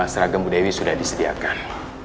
seragam bu dewi sudah disediakan